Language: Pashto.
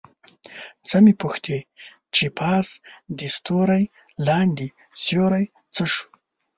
څه مې پوښتې چې پاس دې ستوری لاندې سیوری څه شو؟